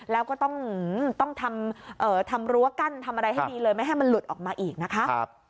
แล้วก็ต้องทำรั้วกั้นทำอะไรให้ดีเลยไม่ให้มันหลุดออกมาอีกนะคะ